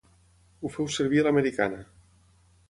Ho feu servir a l'americana.